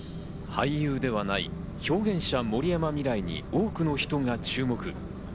俳優ではない表現者・森山未來に多くの人が注目。